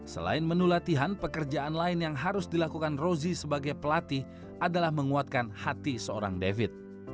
selain menu latihan pekerjaan lain yang harus dilakukan rozi sebagai pelatih adalah menguatkan hati seorang david